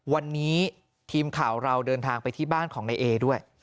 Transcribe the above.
วันนี้ทีมข่าวเราเดินทางไปที่บ้านของนายเอด้วย